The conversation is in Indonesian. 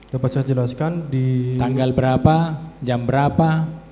dapat saya jelaskan di tanggal berapa jam berapa